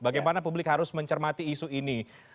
bagaimana publik harus mencermati isu ini